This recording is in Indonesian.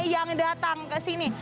yang datang kesini